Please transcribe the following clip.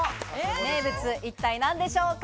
名物、一体何でしょうか。